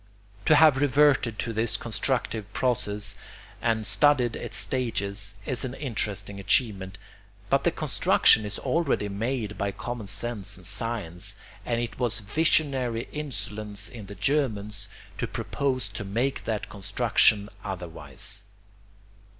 To have reverted to this constructive process and studied its stages is an interesting achievement; but the construction is already made by common sense and science, and it was visionary insolence in the Germans to propose to make that construction otherwise.